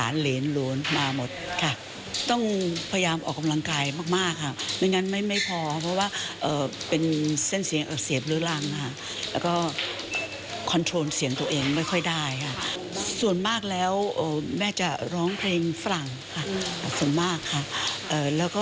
อันนี้ร้องสดนะครับคุณผู้ชมเสียงยังดีอยู่มากเลยนะคะ